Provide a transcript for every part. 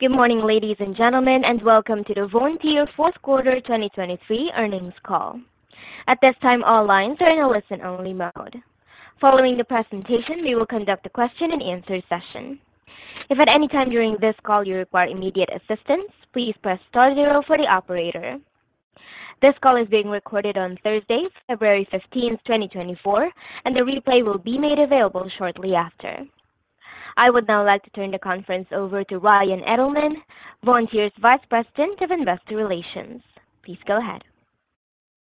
Good morning, ladies and gentlemen, and welcome to the Vontier Fourth Quarter 2023 Earnings Call. At this time, all lines are in a listen-only mode. Following the presentation, we will conduct a question-and-answer session. If at any time during this call you require immediate assistance, please press star zero for the operator. This call is being recorded on Thursday, February 15, 2024, and the replay will be made available shortly after. I would now like to turn the conference over to Ryan Edelman, Vontier's Vice President of Investor Relations. Please go ahead.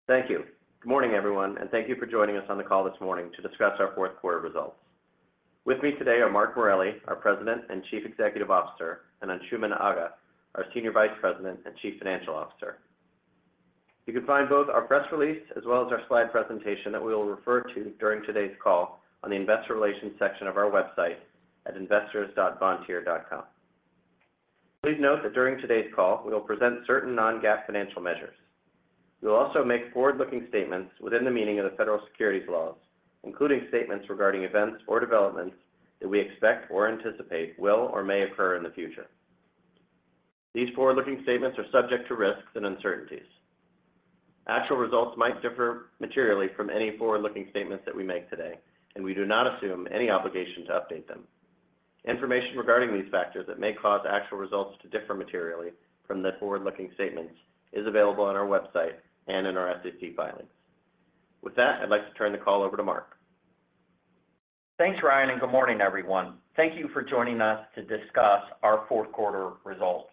Thank you. Good morning, everyone, and thank you for joining us on the call this morning to discuss our fourth quarter results. With me today are Mark Morelli, our President and Chief Executive Officer, and Anshooman Aga, our Senior Vice President and Chief Financial Officer. You can find both our press release as well as our slide presentation that we will refer to during today's call on the Investor Relations section of our website at investors.vontier.com. Please note that during today's call, we will present certain non-GAAP financial measures. We will also make forward-looking statements within the meaning of the federal securities laws, including statements regarding events or developments that we expect or anticipate will or may occur in the future. These forward-looking statements are subject to risks and uncertainties. Actual results might differ materially from any forward-looking statements that we make today, and we do not assume any obligation to update them. Information regarding these factors that may cause actual results to differ materially from the forward-looking statements is available on our website and in our SEC filings. With that, I'd like to turn the call over to Mark. Thanks, Ryan, and good morning, everyone. Thank you for joining us to discuss our fourth quarter results.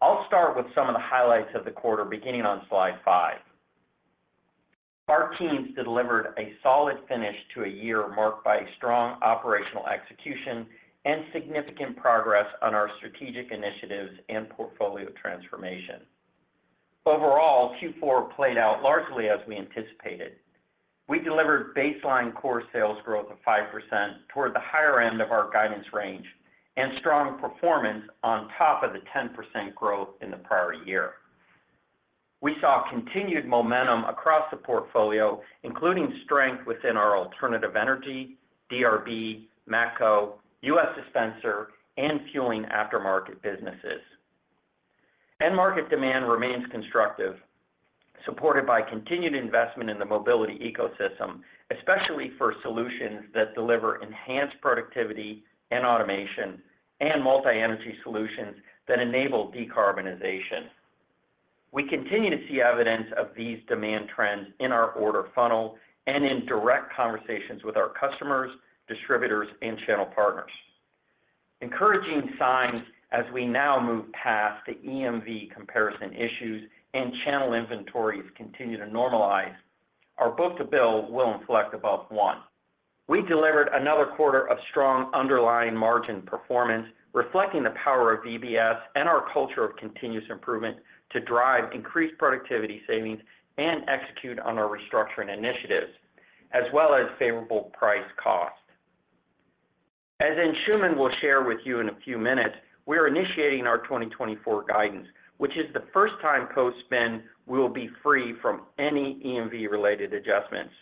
I'll start with some of the highlights of the quarter beginning on slide five. Our teams delivered a solid finish to a year marked by strong operational execution and significant progress on our strategic initiatives and portfolio transformation. Overall, Q4 played out largely as we anticipated. We delivered baseline core sales growth of 5% toward the higher end of our guidance range and strong performance on top of the 10% growth in the prior year. We saw continued momentum across the portfolio, including strength within our Alternative Energy, DRB, Matco, U.S. dispenser, and fueling aftermarket businesses. End-market demand remains constructive, supported by continued investment in the mobility ecosystem, especially for solutions that deliver enhanced productivity and automation and multi-energy solutions that enable decarbonization. We continue to see evidence of these demand trends in our order funnel and in direct conversations with our customers, distributors, and channel partners. Encouraging signs, as we now move past the EMV comparison issues and channel inventories continue to normalize, our book-to-bill will inflect above one. We delivered another quarter of strong underlying margin performance, reflecting the power of VBS and our culture of continuous improvement to drive increased productivity savings and execute on our restructuring initiatives, as well as favorable price-cost. As Anshooman will share with you in a few minutes, we are initiating our 2024 guidance, which is the first time post-spin we will be free from any EMV-related adjustments.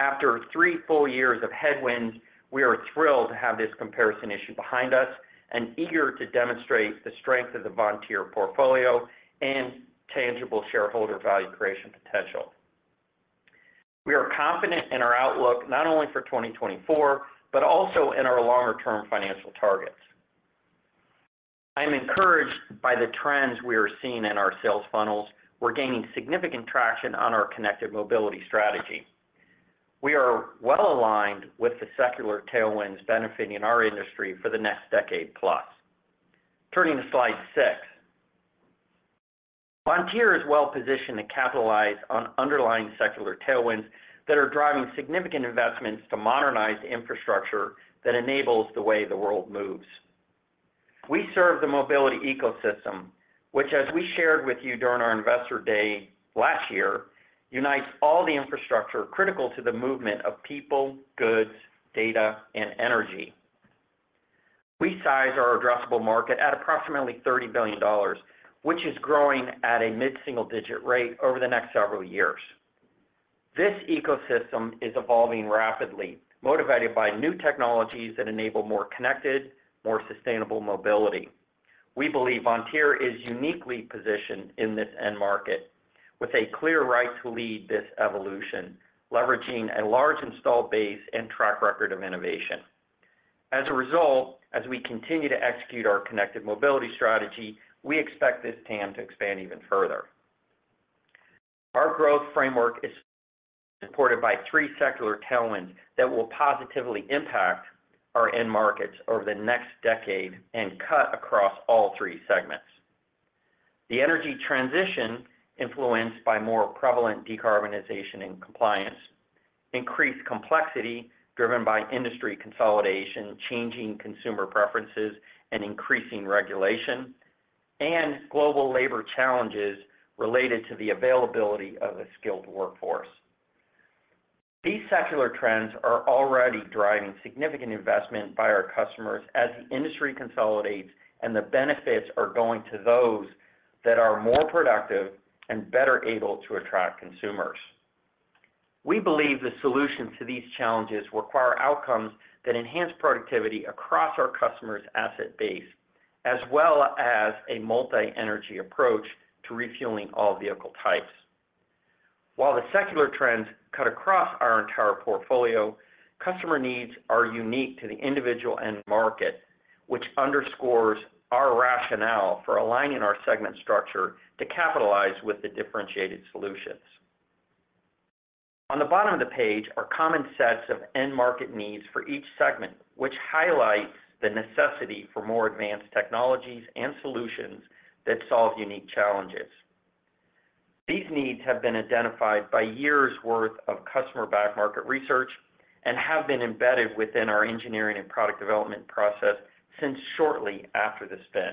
After three full years of headwinds, we are thrilled to have this comparison issue behind us and eager to demonstrate the strength of the Vontier portfolio and tangible shareholder value creation potential. We are confident in our outlook not only for 2024 but also in our longer-term financial targets. I am encouraged by the trends we are seeing in our sales funnels. We're gaining significant traction on our connected mobility strategy. We are well aligned with the secular tailwinds benefiting our industry for the next decade-plus. Turning to slide 6, Vontier is well positioned to capitalize on underlying secular tailwinds that are driving significant investments to modernize the infrastructure that enables the way the world moves. We serve the mobility ecosystem, which, as we shared with you during our investor day last year, unites all the infrastructure critical to the movement of people, goods, data, and energy. We size our addressable market at approximately $30 billion, which is growing at a mid-single-digit rate over the next several years. This ecosystem is evolving rapidly, motivated by new technologies that enable more connected, more sustainable mobility. We believe Vontier is uniquely positioned in this end market with a clear right to lead this evolution, leveraging a large installed base and track record of innovation. As a result, as we continue to execute our connected mobility strategy, we expect this TAM to expand even further. Our growth framework is supported by three secular tailwinds that will positively impact our end markets over the next decade and cut across all three segments. The energy transition influenced by more prevalent decarbonization and compliance, increased complexity driven by industry consolidation, changing consumer preferences, and increasing regulation, and global labor challenges related to the availability of a skilled workforce. These secular trends are already driving significant investment by our customers as the industry consolidates, and the benefits are going to those that are more productive and better able to attract consumers. We believe the solutions to these challenges require outcomes that enhance productivity across our customers' asset base, as well as a multi-energy approach to refueling all vehicle types. While the secular trends cut across our entire portfolio, customer needs are unique to the individual end market, which underscores our rationale for aligning our segment structure to capitalize with the differentiated solutions. On the bottom of the page are common sets of end market needs for each segment, which highlights the necessity for more advanced technologies and solutions that solve unique challenges. These needs have been identified by years' worth of customer-backed market research and have been embedded within our engineering and product development process since shortly after the spin.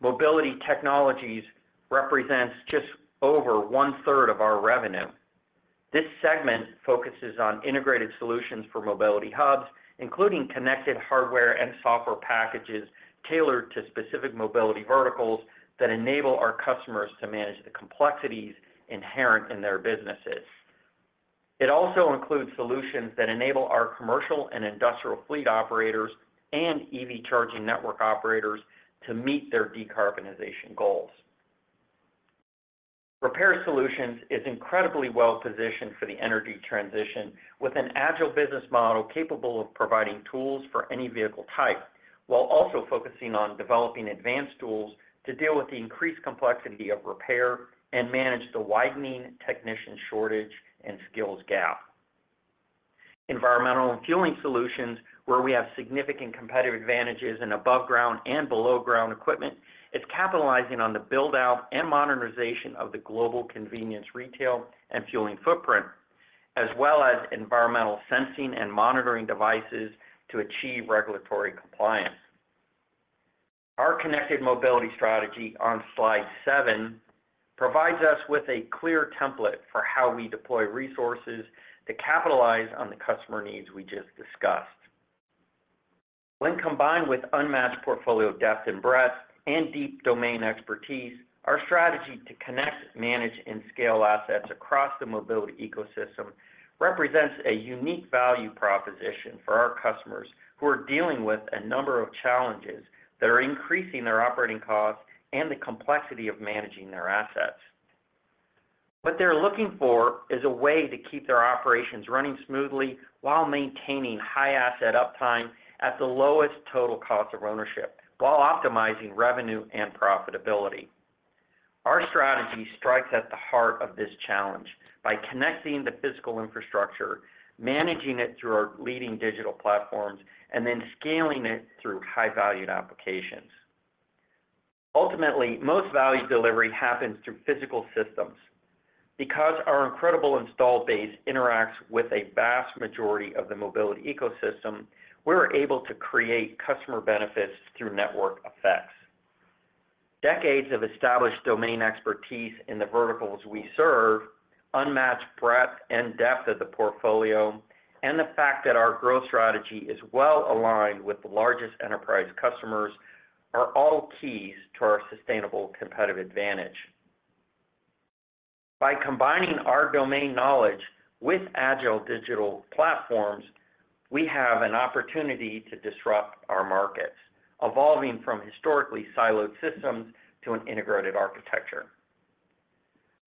Mobility Technologies represent just over one-third of our revenue. This segment focuses on integrated solutions for mobility hubs, including connected hardware and software packages tailored to specific mobility verticals that enable our customers to manage the complexities inherent in their businesses. It also includes solutions that enable our commercial and industrial fleet operators and EV charging network operators to meet their decarbonization goals. Repair Solutions is incredibly well positioned for the energy transition with an agile business model capable of providing tools for any vehicle type, while also focusing on developing advanced tools to deal with the increased complexity of repair and manage the widening technician shortage and skills gap. Environmental and Fueling Solutions, where we have significant competitive advantages in above-ground and below-ground equipment, is capitalizing on the build-out and modernization of the global convenience retail and fueling footprint, as well as environmental sensing and monitoring devices to achieve regulatory compliance. Our connected mobility strategy on slide 7 provides us with a clear template for how we deploy resources to capitalize on the customer needs we just discussed. When combined with unmatched portfolio depth and breadth and deep domain expertise, our strategy to connect, manage, and scale assets across the mobility ecosystem represents a unique value proposition for our customers who are dealing with a number of challenges that are increasing their operating costs and the complexity of managing their assets. What they're looking for is a way to keep their operations running smoothly while maintaining high asset uptime at the lowest total cost of ownership, while optimizing revenue and profitability. Our strategy strikes at the heart of this challenge by connecting the physical infrastructure, managing it through our leading digital platforms, and then scaling it through high-valued applications. Ultimately, most value delivery happens through physical systems. Because our incredible installed base interacts with a vast majority of the mobility ecosystem, we're able to create customer benefits through network effects. Decades of established domain expertise in the verticals we serve, unmatched breadth and depth of the portfolio, and the fact that our growth strategy is well aligned with the largest enterprise customers are all keys to our sustainable competitive advantage. By combining our domain knowledge with agile digital platforms, we have an opportunity to disrupt our markets, evolving from historically siloed systems to an integrated architecture.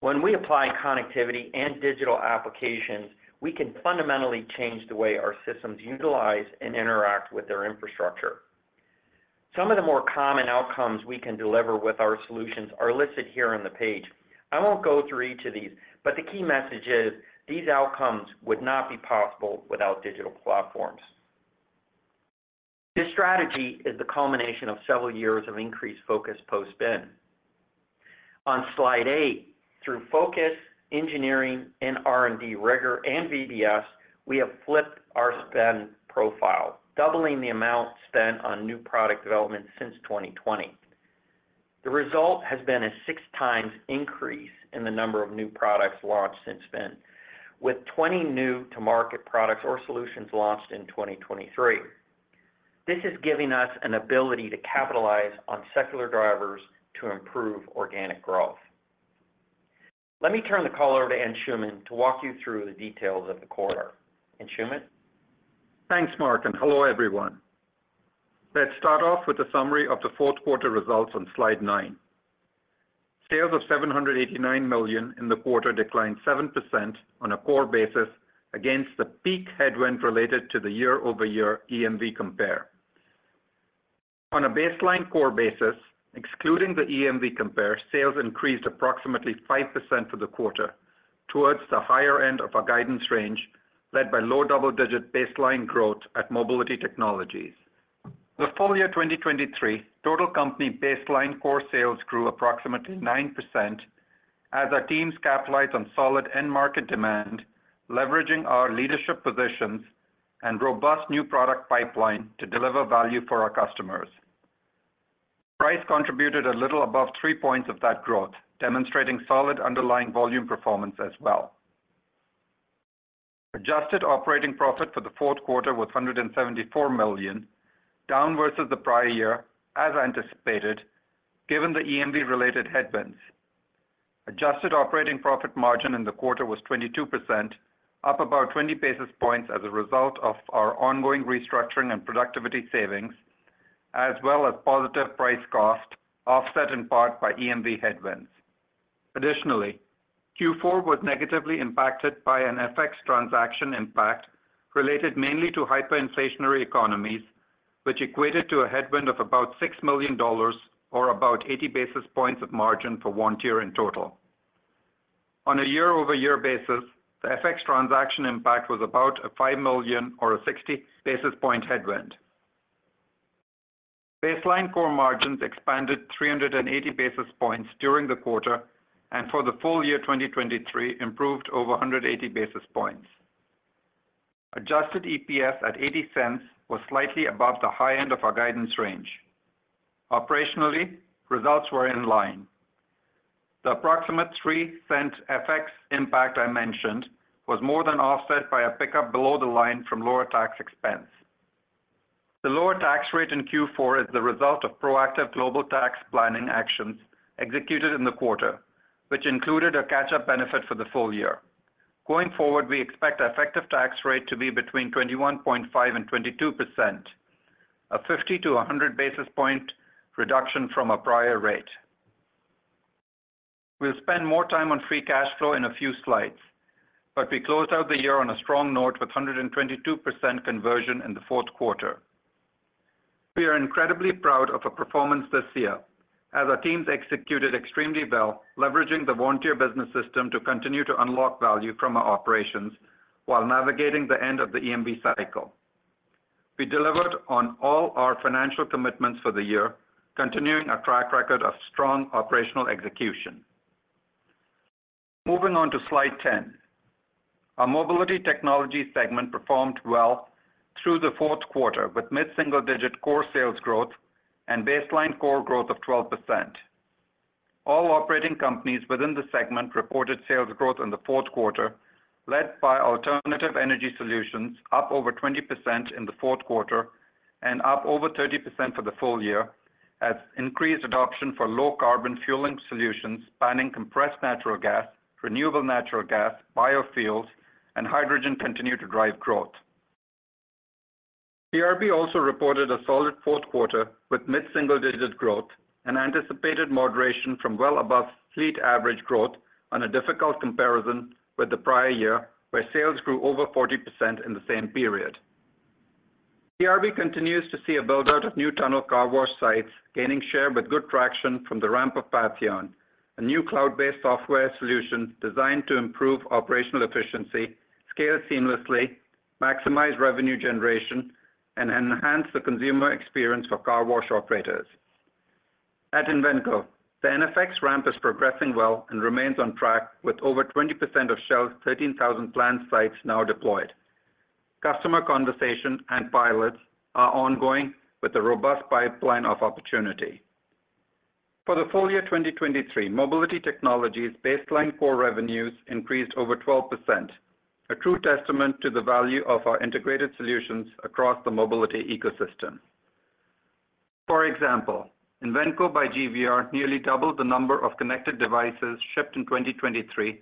When we apply connectivity and digital applications, we can fundamentally change the way our systems utilize and interact with their infrastructure. Some of the more common outcomes we can deliver with our solutions are listed here on the page. I won't go through each of these, but the key message is these outcomes would not be possible without digital platforms. This strategy is the culmination of several years of increased focus post-spin On slide 8, through focus, engineering, and R&D rigor and VBS, we have flipped our spin profile, doubling the amount spent on new product development since 2020. The result has been a 6-times increase in the number of new products launched since spin, with 20 new-to-market products or solutions launched in 2023. This is giving us an ability to capitalize on secular drivers to improve organic growth. Let me turn the call over to Anshooman to walk you through the details of the quarter. Anshooman? Thanks, Mark, and hello, everyone. Let's start off with a summary of the fourth quarter results on slide nine. Sales of $789 million in the quarter declined 7% on a core basis against the peak headwind related to the year-over-year EMV compare. On a baseline core basis, excluding the EMV compare, sales increased approximately 5% for the quarter towards the higher end of our guidance range led by low double-digit baseline growth at Mobility Technologies. The full year 2023, total company baseline core sales grew approximately 9% as our teams capitalized on solid end market demand, leveraging our leadership positions and robust new product pipeline to deliver value for our customers. Price contributed a little above three points of that growth, demonstrating solid underlying volume performance as well. Adjusted operating profit for the fourth quarter was $174 million, down versus the prior year as anticipated given the EMV-related headwinds. Adjusted operating profit margin in the quarter was 22%, up about 20 basis points as a result of our ongoing restructuring and productivity savings, as well as positive price-cost offset in part by EMV headwinds. Additionally, Q4 was negatively impacted by an FX transaction impact related mainly to hyperinflationary economies, which equated to a headwind of about $6 million or about 80 basis points of margin for Vontier in total. On a year-over-year basis, the FX transaction impact was about a $5 million or a 60 basis point headwind. Baseline core margins expanded 380 basis points during the quarter and for the full year 2023 improved over 180 basis points. Adjusted EPS at $0.80 was slightly above the high end of our guidance range. Operationally, results were in line. The approximate 3-cent FX impact I mentioned was more than offset by a pickup below the line from lower tax expense. The lower tax rate in Q4 is the result of proactive global tax planning actions executed in the quarter, which included a catch-up benefit for the full year. Going forward, we expect an effective tax rate to be between 21.5%-22%, a 50-100 basis point reduction from a prior rate. We'll spend more time on free cash flow in a few slides, but we closed out the year on a strong note with 122% conversion in the fourth quarter. We are incredibly proud of our performance this year as our teams executed extremely well, leveraging the Vontier Business System to continue to unlock value from our operations while navigating the end of the EMV cycle. We delivered on all our financial commitments for the year, continuing a track record of strong operational execution. Moving on to slide 10, our mobility technology segment performed well through the fourth quarter with mid-single-digit Core Sales Growth and Baseline Core Growth of 12%. All operating companies within the segment reported sales growth in the fourth quarter led by Alternative Energy Solutions up over 20% in the fourth quarter and up over 30% for the full year as increased adoption for low-carbon fueling solutions spanning compressed natural gas, renewable natural gas, biofuels, and hydrogen continue to drive growth. DRB also reported a solid fourth quarter with mid-single-digit growth and anticipated moderation from well above fleet average growth on a difficult comparison with the prior year where sales grew over 40% in the same period. DRB continues to see a build-out of new tunnel car wash sites gaining share with good traction from the ramp of Patheon, a new cloud-based software solution designed to improve operational efficiency, scale seamlessly, maximize revenue generation, and enhance the consumer experience for car wash operators. At Invenco, the iNFX ramp is progressing well and remains on track with over 20% of Shell's 13,000 planned sites now deployed. Customer conversation and pilots are ongoing with a robust pipeline of opportunity. For the full year 2023, Mobility Technologies' baseline core revenues increased over 12%, a true testament to the value of our integrated solutions across the mobility ecosystem. For example, Invenco by GVR nearly doubled the number of connected devices shipped in 2023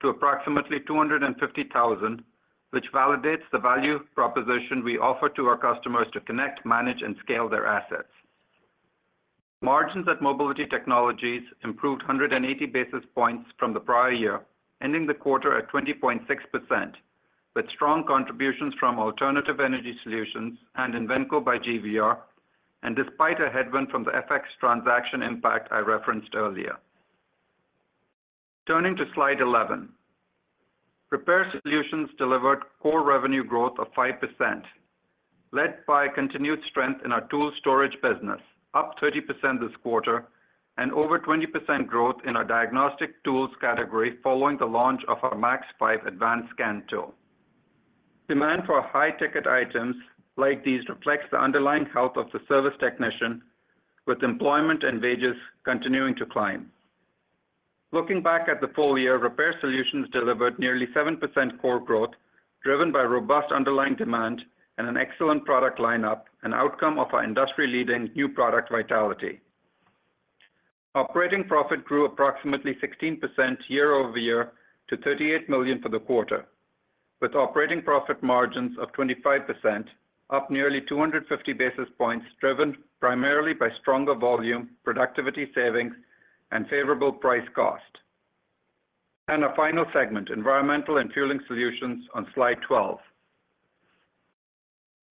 to approximately 250,000, which validates the value proposition we offer to our customers to connect, manage, and scale their assets. Margins at Mobility Technologies improved 180 basis points from the prior year, ending the quarter at 20.6% with strong contributions from Alternative Energy Solutions and Invenco by GVR, and despite a headwind from the FX transaction impact I referenced earlier. Turning to slide 11, Repair Solutions delivered core revenue growth of 5% led by continued strength in our tool storage business, up 30% this quarter, and over 20% growth in our diagnostic tools category following the launch of our MAX 5 advanced scan tool. Demand for high-ticket items like these reflects the underlying health of the service technician, with employment and wages continuing to climb. Looking back at the full year, Repair Solutions delivered nearly 7% core growth driven by robust underlying demand and an excellent product lineup, an outcome of our industry-leading new product vitality. Operating profit grew approximately 16% year-over-year to $38 million for the quarter, with operating profit margins of 25%, up nearly 250 basis points driven primarily by stronger volume, productivity savings, and favorable price-cost. A final segment, Environmental and Fueling Solutions on slide 12.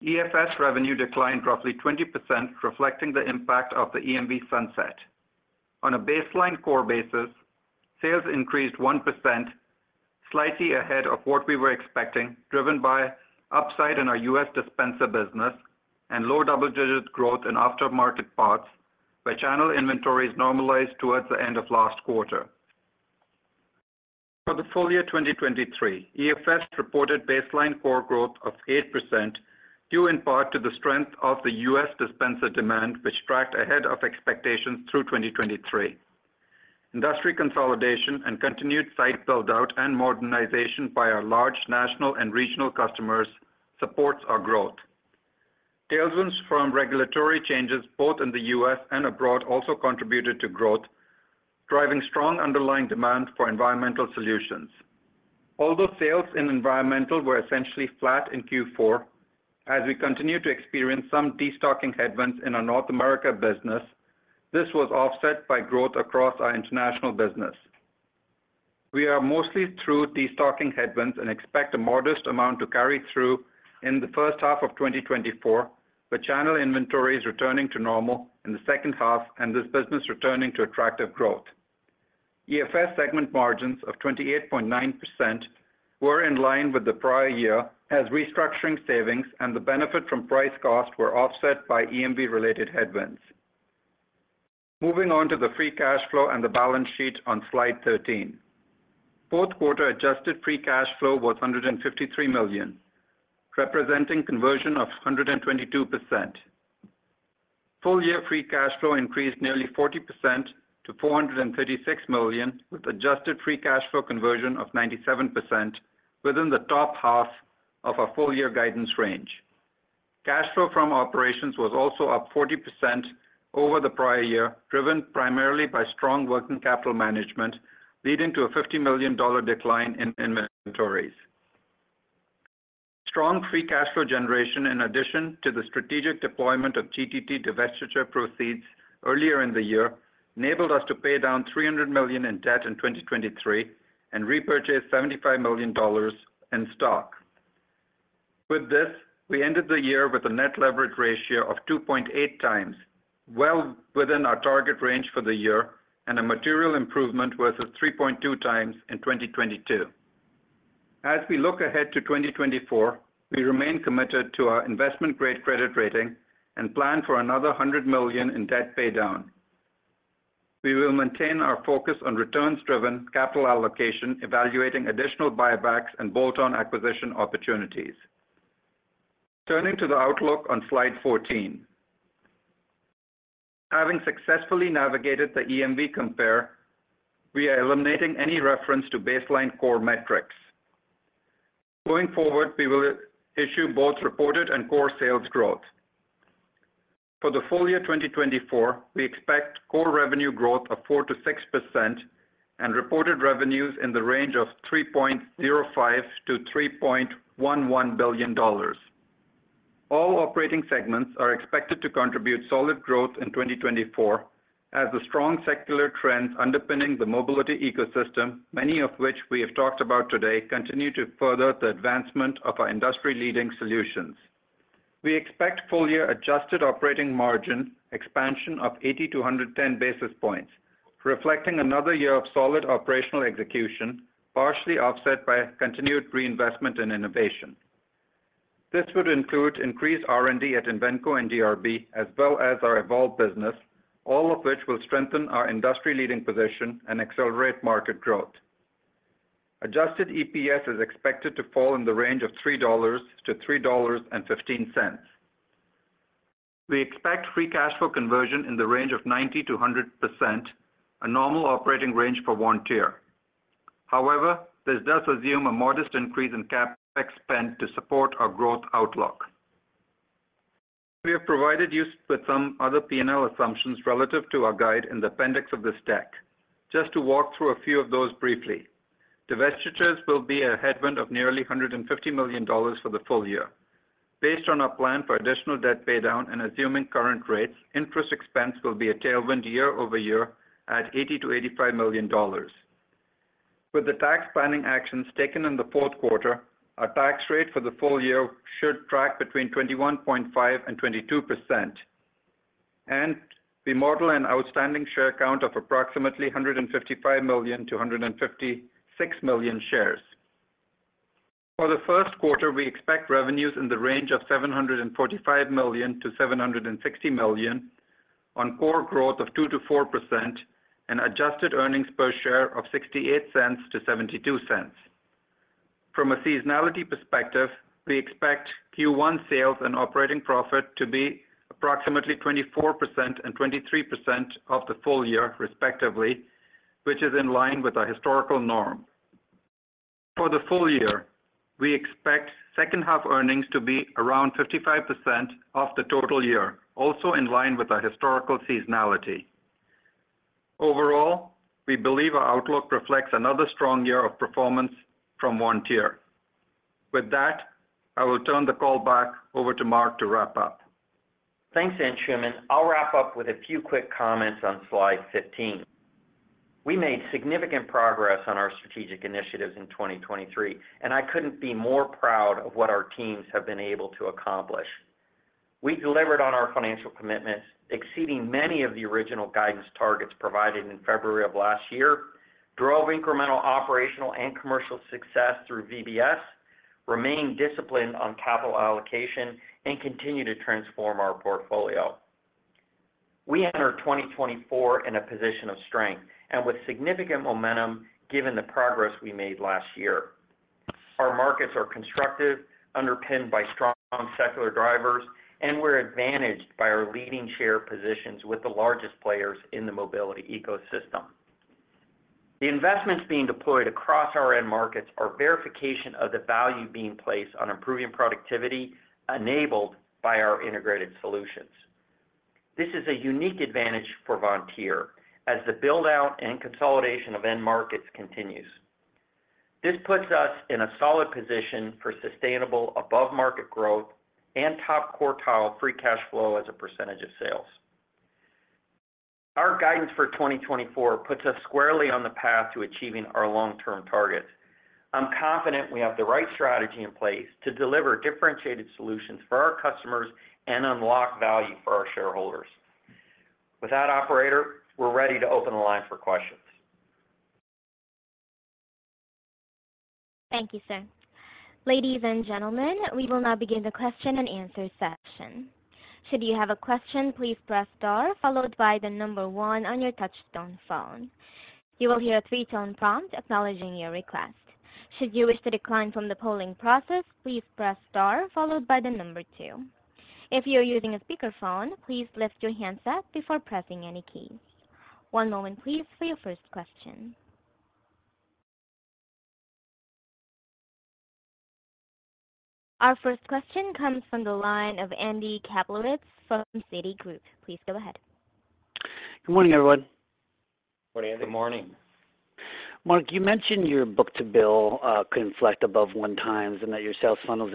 EFS revenue declined roughly 20%, reflecting the impact of the EMV sunset. On a baseline core basis, sales increased 1%, slightly ahead of what we were expecting, driven by upside in our U.S. dispenser business and low double-digit growth in aftermarket parts, where channel inventories normalized towards the end of last quarter. For the full year 2023, EFS reported baseline core growth of 8% due in part to the strength of the U.S. dispenser demand, which tracked ahead of expectations through 2023. Industry consolidation and continued site build-out and modernization by our large national and regional customers supports our growth. Tailwinds from regulatory changes both in the U.S. and abroad also contributed to growth, driving strong underlying demand for environmental solutions. Although sales in environmental were essentially flat in Q4, as we continue to experience some destocking headwinds in our North America business, this was offset by growth across our international business. We are mostly through destocking headwinds and expect a modest amount to carry through in the first half of 2024, with channel inventories returning to normal in the second half and this business returning to attractive growth. EFS segment margins of 28.9% were in line with the prior year as restructuring savings and the benefit from price-cost were offset by EMV-related headwinds. Moving on to the free cash flow and the balance sheet on slide 13. Fourth quarter adjusted free cash flow was $153 million, representing conversion of 122%. Full year free cash flow increased nearly 40% to $436 million, with adjusted free cash flow conversion of 97% within the top half of our full year guidance range. Cash flow from operations was also up 40% over the prior year, driven primarily by strong working capital management, leading to a $50 million decline in inventories. Strong free cash flow generation, in addition to the strategic deployment of GTT divestiture proceeds earlier in the year, enabled us to pay down $300 million in debt in 2023 and repurchase $75 million in stock. With this, we ended the year with a net leverage ratio of 2.8x, well within our target range for the year, and a material improvement versus 3.2x in 2022. As we look ahead to 2024, we remain committed to our investment-grade credit rating and plan for another $100 million in debt paydown. We will maintain our focus on returns-driven capital allocation, evaluating additional buybacks and bolt-on acquisition opportunities. Turning to the outlook on slide 14. Having successfully navigated the EMV compare, we are eliminating any reference to baseline core metrics. Going forward, we will issue both reported and core sales growth. For the full year 2024, we expect core revenue growth of 4%-6% and reported revenues in the range of $3.05-$3.11 billion. All operating segments are expected to contribute solid growth in 2024 as the strong secular trends underpinning the mobility ecosystem, many of which we have talked about today, continue to further the advancement of our industry-leading solutions. We expect full year adjusted operating margin expansion of 80-110 basis points, reflecting another year of solid operational execution, partially offset by continued reinvestment and innovation. This would include increased R&D at Invenco and DRB, as well as our EVolve business, all of which will strengthen our industry-leading position and accelerate market growth. Adjusted EPS is expected to fall in the range of $3-$3.15. We expect free cash flow conversion in the range of 90%-100%, a normal operating range for Vontier. However, this does assume a modest increase in CapEx spend to support our growth outlook. We have provided you with some other P&L assumptions relative to our guide in the appendix of the stack. Just to walk through a few of those briefly. Divestitures will be a headwind of nearly $150 million for the full year. Based on our plan for additional debt paydown and assuming current rates, interest expense will be a tailwind year-over-year at $80 million-$85 million. With the tax planning actions taken in the fourth quarter, our tax rate for the full year should track between 21.5%-22%, and we model an outstanding share count of approximately 155 million-156 million shares. For the first quarter, we expect revenues in the range of $745 million-$760 million on core growth of 2%-4% and adjusted earnings per share of $0.68-$0.72. From a seasonality perspective, we expect Q1 sales and operating profit to be approximately 24% and 23% of the full year, respectively, which is in line with our historical norm. For the full year, we expect second-half earnings to be around 55% of the total year, also in line with our historical seasonality. Overall, we believe our outlook reflects another strong year of performance from Vontier. With that, I will turn the call back over to Mark to wrap up. Thanks, Anshooman. I'll wrap up with a few quick comments on slide 15. We made significant progress on our strategic initiatives in 2023, and I couldn't be more proud of what our teams have been able to accomplish. We delivered on our financial commitments, exceeding many of the original guidance targets provided in February of last year, drove incremental operational and commercial success through VBS, remained disciplined on capital allocation, and continue to transform our portfolio. We enter 2024 in a position of strength and with significant momentum given the progress we made last year. Our markets are constructive, underpinned by strong secular drivers, and we're advantaged by our leading share positions with the largest players in the mobility ecosystem. The investments being deployed across our end markets are verification of the value being placed on improving productivity enabled by our integrated solutions. This is a unique advantage for Vontier as the build-out and consolidation of end markets continues. This puts us in a solid position for sustainable above-market growth and top quartile free cash flow as a percentage of sales. Our guidance for 2024 puts us squarely on the path to achieving our long-term targets. I'm confident we have the right strategy in place to deliver differentiated solutions for our customers and unlock value for our shareholders. With that, operator, we're ready to open the line for questions. Thank you, sir. Ladies and gentlemen, we will now begin the question and answer session. Should you have a question, please press star followed by the number one on your touch-tone phone. You will hear a three-tone prompt acknowledging your request. Should you wish to decline from the polling process, please press star followed by the number 2. If you're using a speakerphone, please lift your handset before pressing any keys. One moment, please, for your first question. Our first question comes from the line of Andy Kaplowitz from Citigroup. Please go ahead. Good morning, everyone. Morning, Andy. Good morning. Mark, you mentioned your book-to-bill could inflect above 1x and that your sales funnel's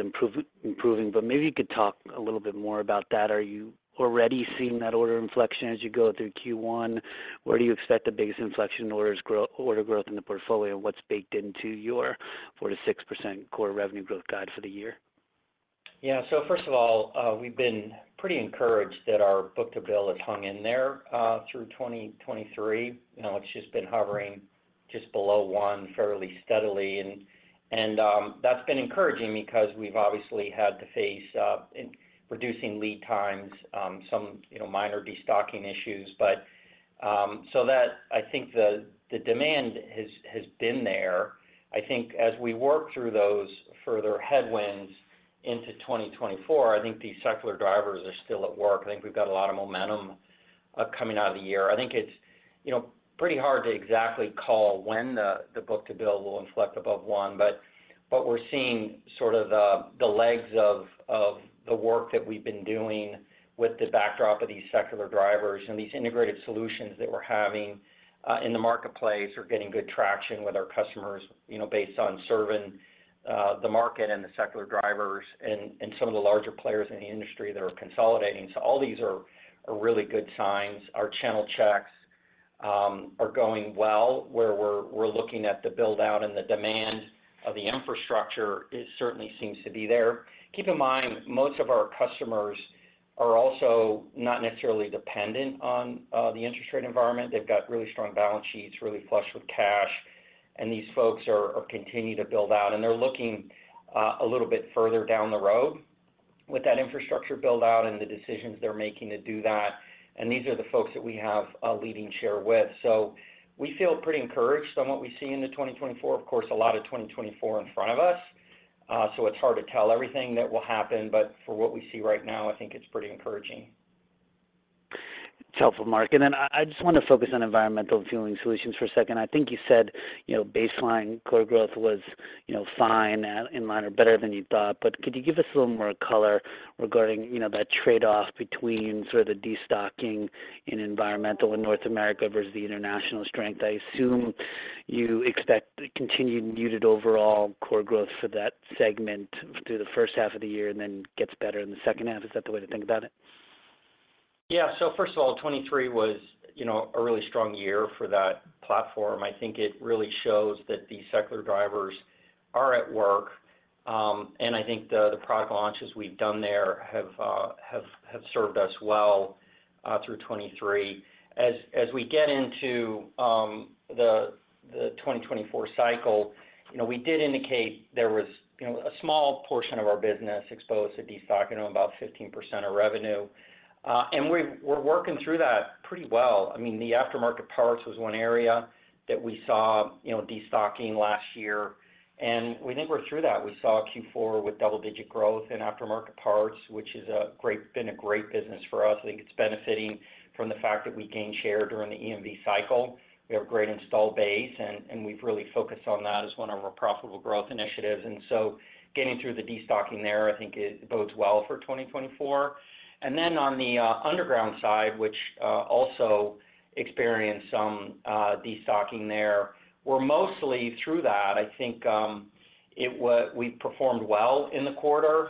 improving, but maybe you could talk a little bit more about that. Are you already seeing that order inflection as you go through Q1? Where do you expect the biggest inflection in order growth in the portfolio, and what's baked into your 4%-6% core revenue growth guide for the year? Yeah. So first of all, we've been pretty encouraged that our book-to-bill has hung in there through 2023. It's just been hovering just below one fairly steadily. That's been encouraging because we've obviously had to face reducing lead times, some minor destocking issues. I think the demand has been there. I think as we work through those further headwinds into 2024, I think these secular drivers are still at work. I think we've got a lot of momentum coming out of the year. I think it's pretty hard to exactly call when the book-to-bill will inflect above one, but we're seeing sort of the legs of the work that we've been doing with the backdrop of these secular drivers and these integrated solutions that we're having in the marketplace are getting good traction with our customers based on serving the market and the secular drivers and some of the larger players in the industry that are consolidating. All these are really good signs. Our channel checks are going well, where we're looking at the build-out and the demand of the infrastructure certainly seems to be there. Keep in mind, most of our customers are also not necessarily dependent on the interest rate environment. They've got really strong balance sheets, really flush with cash, and these folks continue to build out. And they're looking a little bit further down the road with that infrastructure build-out and the decisions they're making to do that. And these are the folks that we have a leading share with. So we feel pretty encouraged on what we see into 2024. Of course, a lot of 2024 in front of us, so it's hard to tell everything that will happen. But for what we see right now, I think it's pretty encouraging. It's helpful, Mark. And then I just want to focus on environmental fueling solutions for a second. I think you said baseline core growth was fine in line or better than you thought, but could you give us a little more color regarding that trade-off between sort of the destocking in environmental and North America versus the international strength? I assume you expect continued muted overall core growth for that segment through the first half of the year and then gets better in the second half. Is that the way to think about it? Yeah. So first of all, 2023 was a really strong year for that platform. I think it really shows that these secular drivers are at work, and I think the product launches we've done there have served us well through 2023. As we get into the 2024 cycle, we did indicate there was a small portion of our business exposed to destocking, about 15% of revenue. And we're working through that pretty well. I mean, the aftermarket parts was one area that we saw destocking last year. And we think we're through that. We saw Q4 with double-digit growth in aftermarket parts, which has been a great business for us. I think it's benefiting from the fact that we gained share during the EMV cycle. We have a great install base, and we've really focused on that as one of our profitable growth initiatives. And so getting through the destocking there, I think, bodes well for 2024. And then on the underground side, which also experienced some destocking there, we're mostly through that. I think we performed well in the quarter.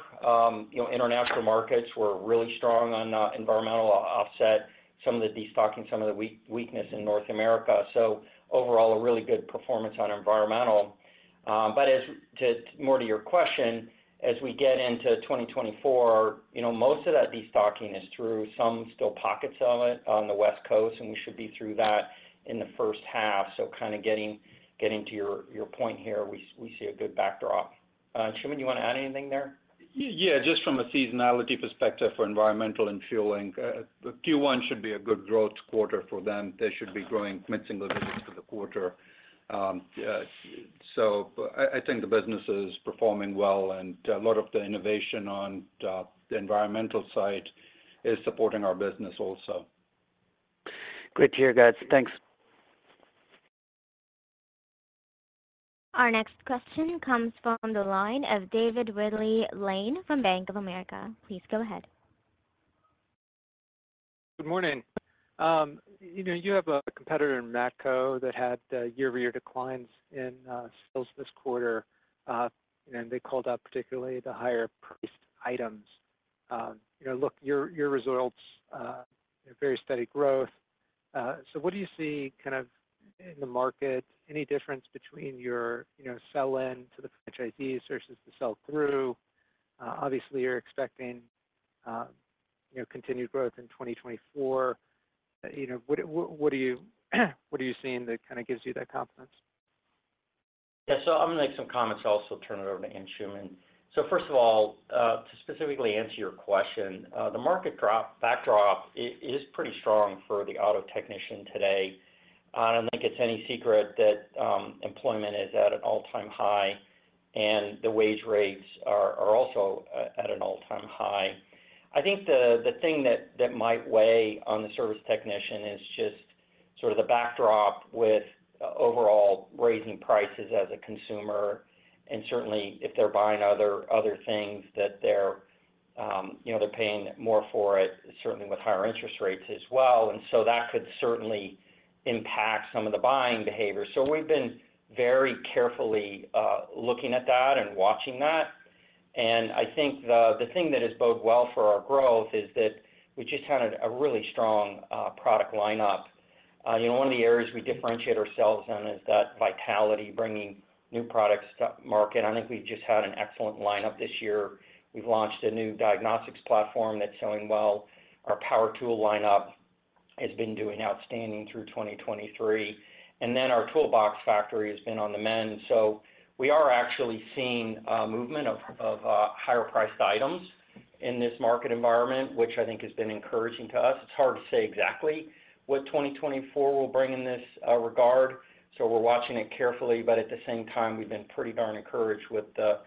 International markets were really strong on environmental offset, some of the destocking, some of the weakness in North America. So overall, a really good performance on environmental. But more to your question, as we get into 2024, most of that destocking is through some still pockets of it on the West Coast, and we should be through that in the first half. So kind of getting to your point here, we see a good backdrop. Anshooman, do you want to add anything there? Yeah. Just from a seasonality perspective for environmental and fueling, Q1 should be a good growth quarter for them. They should be growing mid-single digits% for the quarter. So I think the business is performing well, and a lot of the innovation on the environmental side is supporting our business also. Great to hear, guys. Thanks. Our next question comes from the line of David Ridley-Lane from Bank of America. Please go ahead. Good morning. You have a competitor in Matco that had year-over-year declines in sales this quarter, and they called out particularly the higher-priced items. Look, your results are very steady growth. So what do you see kind of in the market? Any difference between your sell-in to the franchisees versus the sell-through? Obviously, you're expecting continued growth in 2024. What are you seeing that kind of gives you that confidence? Yeah. So I'm going to make some comments also. Turn it over to Anshooman. So first of all, to specifically answer your question, the market backdrop is pretty strong for the auto technician today. I don't think it's any secret that employment is at an all-time high, and the wage rates are also at an all-time high. I think the thing that might weigh on the service technician is just sort of the backdrop with overall raising prices as a consumer. And certainly, if they're buying other things, that they're paying more for it, certainly with higher interest rates as well. And so that could certainly impact some of the buying behavior. So we've been very carefully looking at that and watching that. And I think the thing that has bode well for our growth is that we just had a really strong product lineup. One of the areas we differentiate ourselves in is that vitality, bringing new products to market. I think we've just had an excellent lineup this year. We've launched a new diagnostics platform that's selling well. Our power tool lineup has been doing outstanding through 2023. And then our toolbox factory has been on the mend. So we are actually seeing movement of higher-priced items in this market environment, which I think has been encouraging to us. It's hard to say exactly what 2024 will bring in this regard, so we're watching it carefully. But at the same time, we've been pretty darn encouraged with the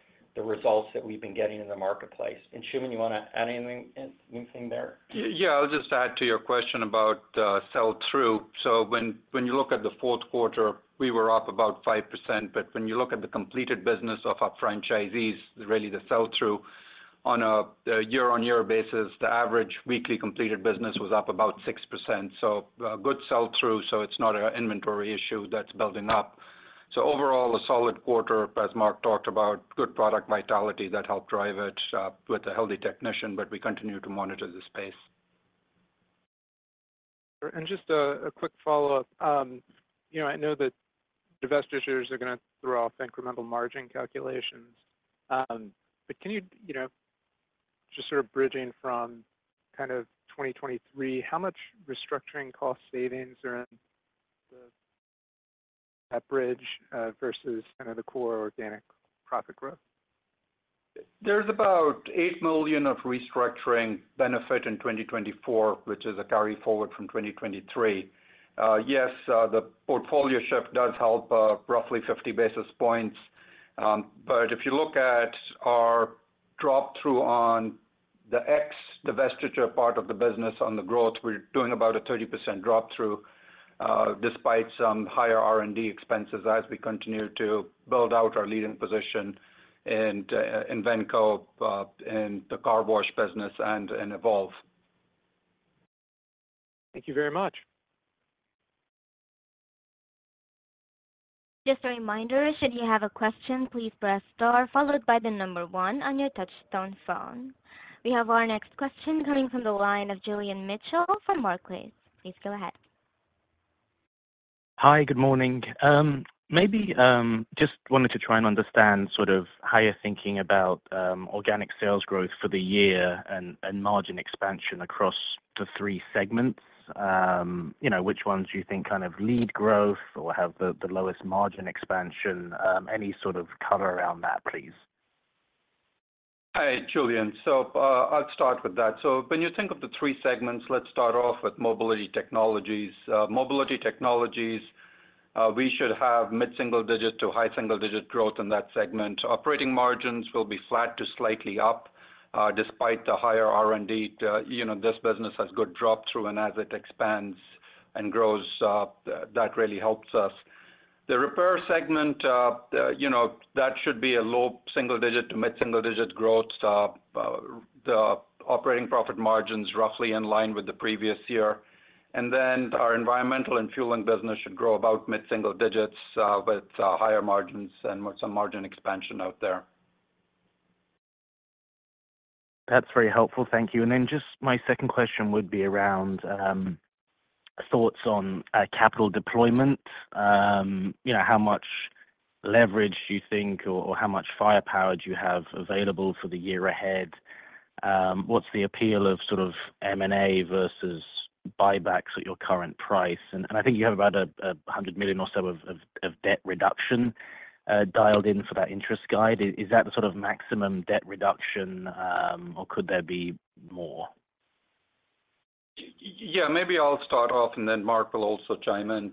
results that we've been getting in the marketplace. Anshooman, do you want to add anything there? Yeah. I'll just add to your question about sell-through. So when you look at the fourth quarter, we were up about 5%. But when you look at the completed business of our franchisees, really the sell-through, on a year-on-year basis, the average weekly completed business was up about 6%. So good sell-through, so it's not an inventory issue that's building up. So overall, a solid quarter, as Mark talked about, good product vitality that helped drive it with a healthy technician. But we continue to monitor the space. And just a quick follow-up. I know that investors are going to throw off incremental margin calculations, but can you just sort of bridge from kind of 2023, how much restructuring cost savings are in that bridge versus kind of the core organic profit growth? There's about $8 million of restructuring benefit in 2024, which is a carry forward from 2023. Yes, the portfolio shift does help roughly 50 basis points. But if you look at our drop-through on the ex-divestiture part of the business on the growth, we're doing about a 30% drop-through despite some higher R&D expenses as we continue to build out our leading position in Invenco and the car wash business and EVolve. Thank you very much. Just a reminder, should you have a question, please press star followed by the number one on your touch-tone phone. We have our next question coming from the line of Julian Mitchell from Barclays. Please go ahead. Hi. Good morning. Maybe just wanted to try and understand sort of how you're thinking about organic sales growth for the year and margin expansion across the three segments. Which ones do you think kind of lead growth or have the lowest margin expansion? Any sort of color around that, please. Hi, Julian. So I'll start with that. So when you think of the three segments, let's start off with Mobility Technologies. Mobility Technologies, we should have mid-single-digit to high-single-digit growth in that segment. Operating margins will be flat to slightly up despite the higher R&D. This business has good drop-through, and as it expands and grows, that really helps us. The repair segment, that should be a low single-digit to mid-single-digit growth. The operating profit margin's roughly in line with the previous year. And then our environmental and fueling business should grow about mid-single digits with higher margins and some margin expansion out there. That's very helpful. Thank you. And then just my second question would be around thoughts on capital deployment. How much leverage do you think or how much firepower do you have available for the year ahead? What's the appeal of sort of M&A versus buybacks at your current price? And I think you have about $100 million or so of debt reduction dialed in for that interest guide. Is that the sort of maximum debt reduction, or could there be more? Yeah. Maybe I'll start off, and then Mark will also chime in.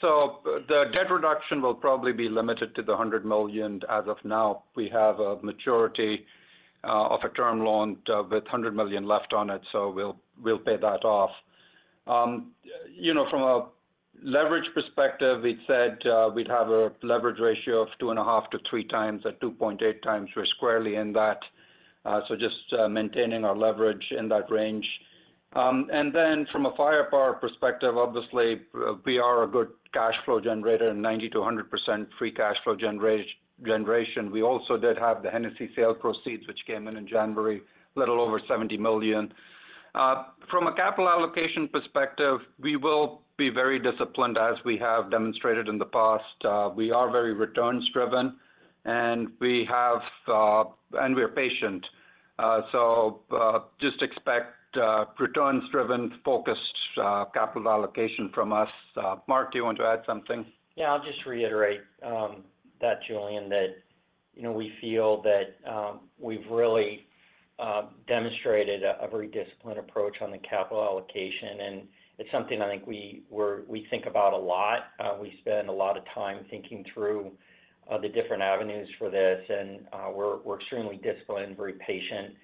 So the debt reduction will probably be limited to the $100 million. As of now, we have a maturity of a term loan with $100 million left on it, so we'll pay that off. From a leverage perspective, we'd said we'd have a leverage ratio of 2.5-3 times at 2.8 times. We're squarely in that, so just maintaining our leverage in that range. And then from a firepower perspective, obviously, we are a good cash flow generator, 90%-100% free cash flow generation. We also did have the Hennessy sale proceeds, which came in in January, a little over $70 million. From a capital allocation perspective, we will be very disciplined, as we have demonstrated in the past. We are very returns-driven, and we're patient. So just expect returns-driven, focused capital allocation from us. Mark, do you want to add something? Yeah. I'll just reiterate that, Julian, that we feel that we've really demonstrated a very disciplined approach on the capital allocation. And it's something I think we think about a lot. We spend a lot of time thinking through the different avenues for this, and we're extremely disciplined and very patient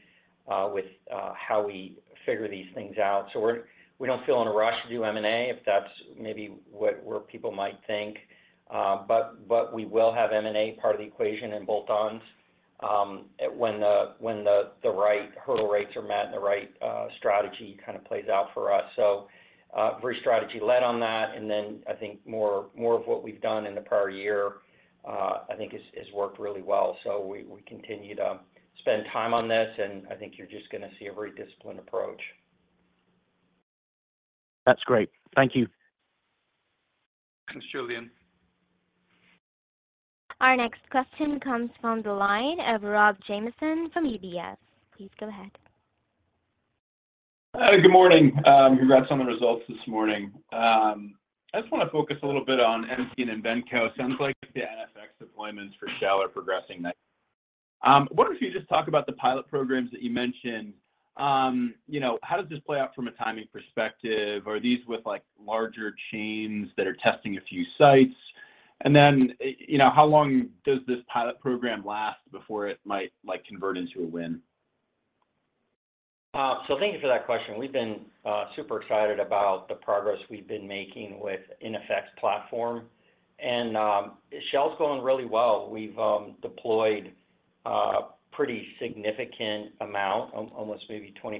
with how we figure these things out. So we don't feel in a rush to do M&A, if that's maybe what people might think. But we will have M&A part of the equation and bolt-ons when the right hurdle rates are met and the right strategy kind of plays out for us. So very strategy-led on that. And then I think more of what we've done in the prior year, I think, has worked really well. So we continue to spend time on this, and I think you're just going to see a very disciplined approach. That's great. Thank you. Thanks, Julian. Our next question comes from the line of Rob Mason from Baird. Please go ahead. Good morning. Congrats on the results this morning. I just want to focus a little bit on Invenco. Sounds like the iNFX deployments for Shell progressing. I wonder if you could just talk about the pilot programs that you mentioned. How does this play out from a timing perspective? Are these with larger chains that are testing a few sites? And then how long does this pilot program last before it might convert into a win? So thank you for that question. We've been super excited about the progress we've been making with iNFX platform. And Shell's going really well. We've deployed a pretty significant amount, almost maybe 25%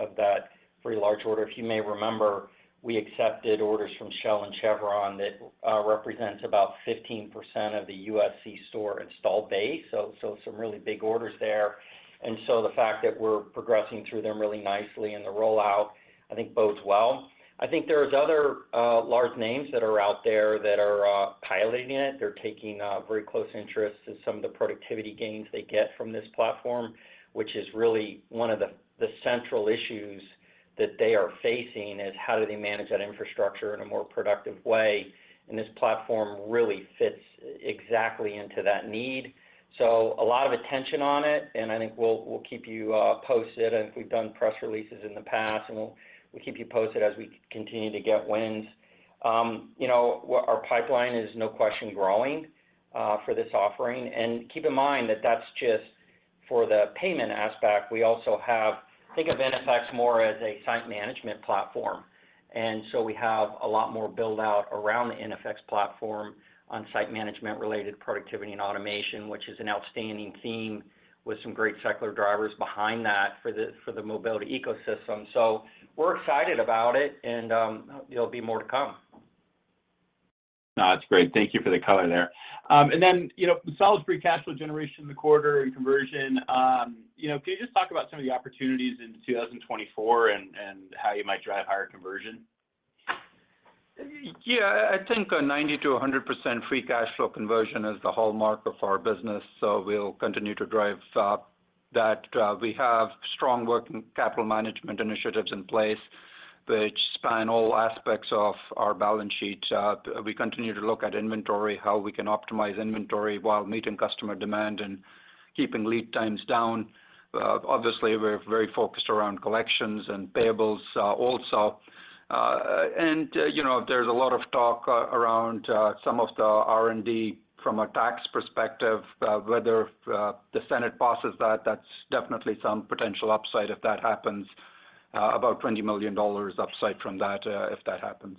of that very large order. If you may remember, we accepted orders from Shell and Chevron that represents about 15% of the U.S. c-store install base, so some really big orders there. And so the fact that we're progressing through them really nicely in the rollout, I think, bodes well. I think there are other large names that are out there that are piloting it. They're taking very close interest in some of the productivity gains they get from this platform, which is really one of the central issues that they are facing, is how do they manage that infrastructure in a more productive way? And this platform really fits exactly into that need. So a lot of attention on it, and I think we'll keep you posted. I think we've done press releases in the past, and we'll keep you posted as we continue to get wins. Our pipeline is, no question, growing for this offering. And keep in mind that that's just for the payment aspect. We also have think of iNFX more as a site management platform. And so we have a lot more build-out around the iNFX platform on site management-related productivity and automation, which is an outstanding theme with some great cycler drivers behind that for the mobility ecosystem. So we're excited about it, and there'll be more to come. No, that's great. Thank you for the color there. And then, solid free cash flow generation in the quarter and conversion, can you just talk about some of the opportunities in 2024 and how you might drive higher conversion? Yeah. I think a 90%-100% free cash flow conversion is the hallmark of our business, so we'll continue to drive that. We have strong working capital management initiatives in place, which span all aspects of our balance sheet. We continue to look at inventory, how we can optimize inventory while meeting customer demand and keeping lead times down. Obviously, we're very focused around collections and payables also. And there's a lot of talk around some of the R&D from a tax perspective. Whether the Senate passes that, that's definitely some potential upside if that happens, about $20 million upside from that if that happens.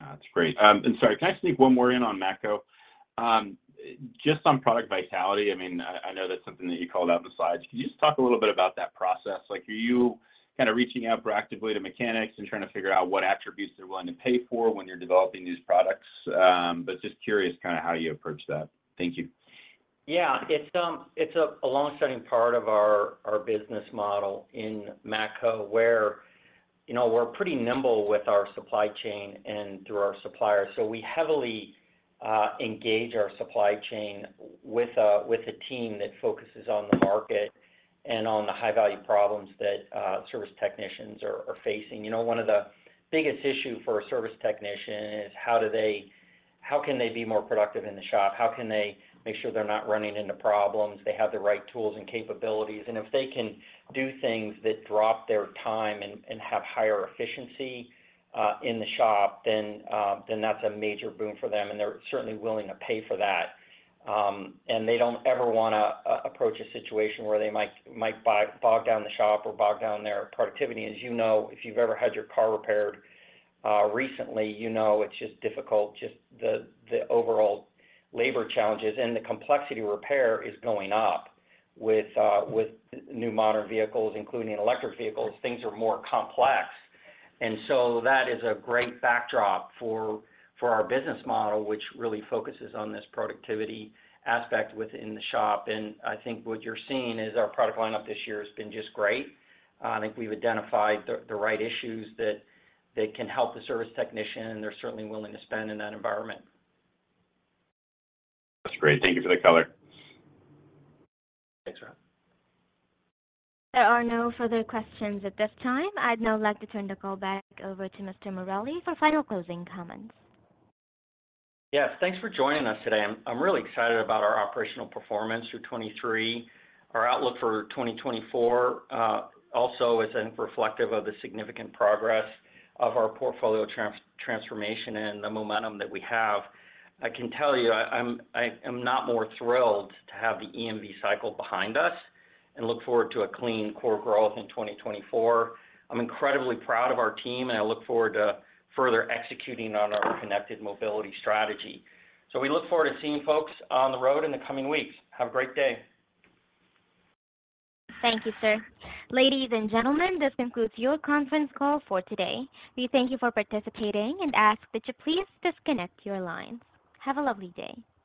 That's great. And sorry, can I sneak one more in on Matco? Just on product vitality, I mean, I know that's something that you called out in the slides. Can you just talk a little bit about that process? Are you kind of reaching out proactively to mechanics and trying to figure out what attributes they're willing to pay for when you're developing these products? But just curious, kind of, how you approach that. Thank you. Yeah. It's a long-standing part of our business model in Matco, where we're pretty nimble with our supply chain and through our suppliers. So we heavily engage our supply chain with a team that focuses on the market and on the high-value problems that service technicians are facing. One of the biggest issues for a service technician is how can they be more productive in the shop? How can they make sure they're not running into problems? They have the right tools and capabilities. And if they can do things that drop their time and have higher efficiency in the shop, then that's a major boon for them, and they're certainly willing to pay for that. And they don't ever want to approach a situation where they might bog down the shop or bog down their productivity. As you know, if you've ever had your car repaired recently, you know it's just difficult. Just the overall labor challenges and the complexity of repair is going up with new modern vehicles, including electric vehicles. Things are more complex. And so that is a great backdrop for our business model, which really focuses on this productivity aspect within the shop. And I think what you're seeing is our product lineup this year has been just great. I think we've identified the right issues that can help the service technician, and they're certainly willing to spend in that environment. That's great. Thank you for the color. Thanks, Rob. There are no further questions at this time. I'd now like to turn the call back over to Mr. Morelli for final closing comments. Yes. Thanks for joining us today. I'm really excited about our operational performance through 2023. Our outlook for 2024 also is, I think, reflective of the significant progress of our portfolio transformation and the momentum that we have. I can tell you, I am not more thrilled to have the EMV cycle behind us and look forward to a clean core growth in 2024. I'm incredibly proud of our team, and I look forward to further executing on our connected mobility strategy. So we look forward to seeing folks on the road in the coming weeks. Have a great day. Thank you, sir. Ladies and gentlemen, this concludes your conference call for today. We thank you for participating and ask that you please disconnect your lines. Have a lovely day.